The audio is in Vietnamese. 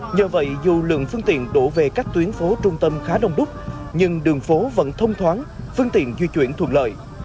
nhờ vậy dù lượng phương tiện đổ về các tuyến phố trung tâm khá đông đúc nhưng đường phố vẫn thông thoáng phương tiện di chuyển thuận lợi